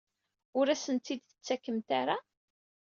Ur asent-tt-id-tettakemt ara?